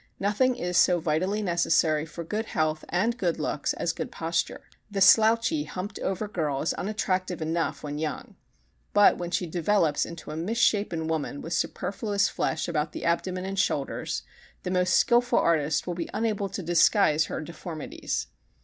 Nothing is so vitally necessary for good health and good looks as good posture. The slouchy, humped over girl is unattractive enough when young, but when she develops into a misshapen woman with superfluous flesh about the abdomen and shoulders the most skillful artist will be unable to disguise her deformities.